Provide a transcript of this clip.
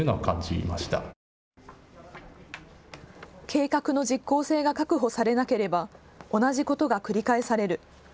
計画の実効性が確保されなければ同じことが繰り返される。